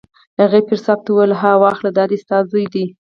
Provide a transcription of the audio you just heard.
هغې پیر صاحب ته وویل: ها واخله دا دی ستا زوی دی.